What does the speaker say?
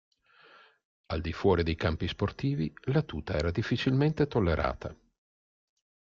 Al di fuori dei campi sportivi, la tuta era difficilmente tollerata.